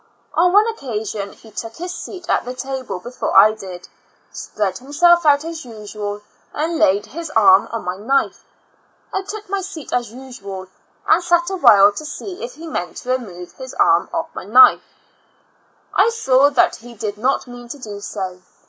On one occasion he took his seat at the table before I did, spread himself out as usual, and laid his arm on my knife. I took my seat as usual, and sat awhile to see if he meant to remove his arm off of my knife. 84 ^^''0 Years and Four Months I saw that lie did not mean to do so.